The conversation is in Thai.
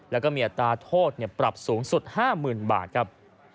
แล้วก็มีอัตราโทษปรับสูงสุด๕๐๐๐บาทครับ